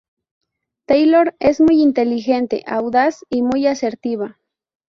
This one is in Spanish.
Taylor es muy inteligente, audaz y muy asertiva.